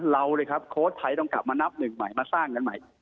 เราเลยครับโค้ชไทยต้องกลับมานับหนึ่งใหม่มาสร้างกันใหม่